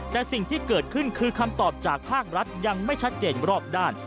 แต่สิ่งที่เกิดขึ้นคือคำตอบจากภาครัฐยังไม่ชัดเจนรอบด้าน